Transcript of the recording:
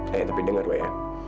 eh tapi denger lo ya